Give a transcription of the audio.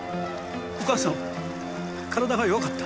お母さんは体が弱かった。